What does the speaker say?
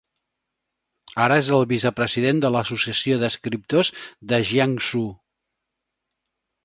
Ara és el vicepresident de l'Associació d'escriptors de Jiangsu.